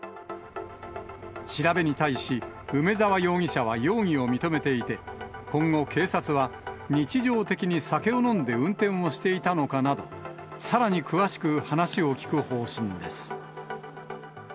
調べに対し、梅沢容疑者は容疑を認めていて、今後、警察は日常的に酒を飲んで運転をしていたのかなど、さらに詳しく話を聴く方針です。